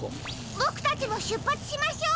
ボクたちもしゅっぱつしましょう。